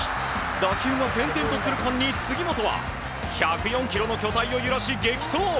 打球が点々とする間に杉本は１０４ｋｇの巨体を揺らし激走！